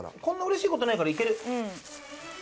こんなうれしいことないからいける！